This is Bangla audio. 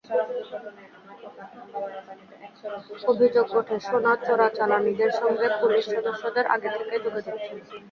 অভিযোগ ওঠে, সোনা চোরাচালানিদের সঙ্গে পুলিশ সদস্যদের আগে থেকেই যোগাযোগ ছিল।